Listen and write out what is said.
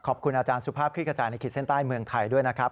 ขอบคุณอาจารย์สุภาพคลิกกระจายในขีดเส้นใต้เมืองไทยด้วยนะครับ